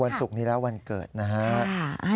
ศุกร์นี้แล้ววันเกิดนะฮะ